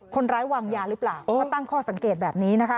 คนร้ายวางยาหรือเปล่าเขาตั้งข้อสังเกตแบบนี้นะคะ